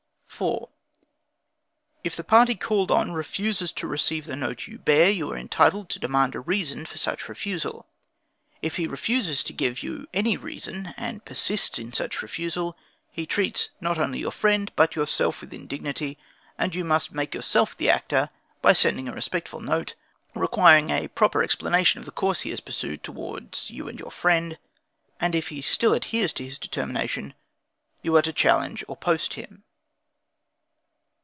4. If the party called on, refuses to receive the note you bear, you are entitled to demand a reason for such refusal. If he refuses to give you any reason, and persists in such refusal, he treats, not only your friend, but yourself, with indignity, and you must then make yourself the actor, by sending a respectful note, requiring a proper explanation of the course he has pursued towards you and your friend; and if he still adheres to his determination, you are to challenge or post him.